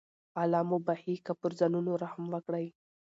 الله مو بخښي که پر ځانونو رحم وکړئ.